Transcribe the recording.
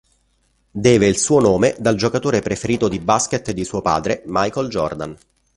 Deve il suo nome dal giocatore preferito di basket di suo padre Michael Jordan.